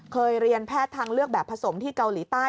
เคยเรียนแพทย์ทางเลือกแบบผสมที่เกาหลีใต้